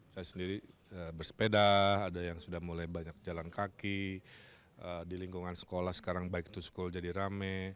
saya sendiri bersepeda ada yang sudah mulai banyak jalan kaki di lingkungan sekolah sekarang baik itu sekolah jadi rame